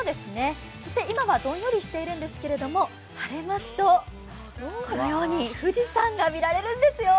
そして今はどんよりしているんですけれども、晴れますと、このように、富士山が見られるんですよ。